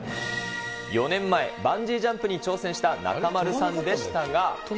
４年前、バンジージャンプに挑戦した中丸さんでしたが。